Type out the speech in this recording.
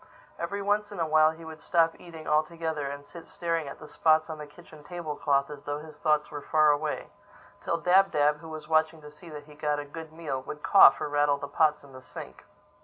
Every once in a while he would stop eating altogether and sit staring at the spots on the kitchen table cloth as though his thoughts were far away; till Dab Dab, who was watching to see that he got a good meal, would cough or rattle the pots in the sink.